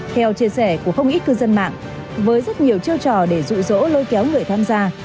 theo chia sẻ của không ít cư dân mạng với rất nhiều chiêu trò để rụ rỗ lôi kéo người tham gia